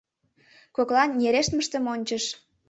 Коклан нерештмыштым ончыш.